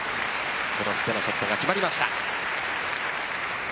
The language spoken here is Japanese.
クロスでのショットが決まりました。